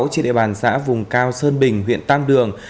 trên địa bàn xã vùng cao sơn bình huyện tam đường